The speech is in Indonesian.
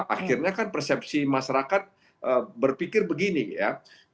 akhirnya kan persepsi masyarakat berpikir begini ya